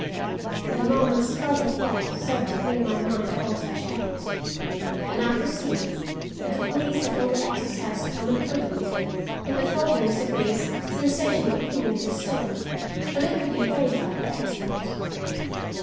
But a moment's further thought served to clear my mind of all such doubts, and I perceived that the police had only exercised common prudence in withholding Mr. Grey's sensational opinion of the stone till it could be verified by experts.